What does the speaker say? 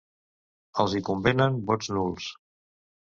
Els hi convenen vots nuls!